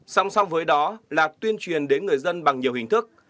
song song với đó là tuyên truyền đến người dân bằng nhiều hình thức